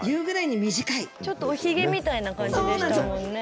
ちょっとおひげみたいな感じでしたもんね。